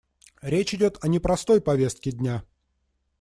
Речь идет о непростой повестке дня.